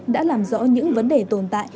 đã làm rõ những vấn đề tồn tại